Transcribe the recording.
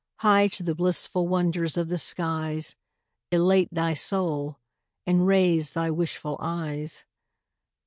High to the blissful wonders of the skies Elate thy soul, and raise thy wishful eyes.